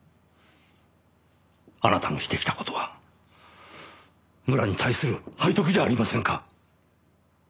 あなたのしてきた事は村に対する背徳じゃありませんか。